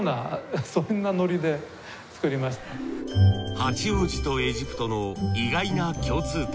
八王子とエジプトの意外な共通点。